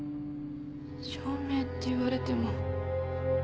証明って言われても。